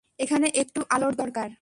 এখানে একটু আলোর দরকার!